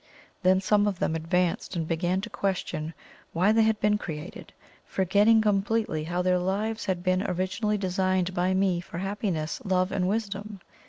Then some of them advanced and began to question why they had been created, forgetting completely how their lives had been originally designed by me for happiness, love and wisdom.